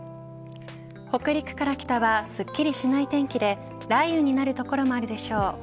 北陸から北はすっきりしない天気で雷雨になる所もあるでしょう。